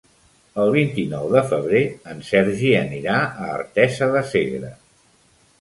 El vint-i-nou de febrer en Sergi anirà a Artesa de Segre.